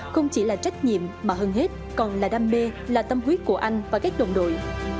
không chỉ là trách nhiệm mà hơn hết còn là đam mê là tâm huyết của anh và các đồng đội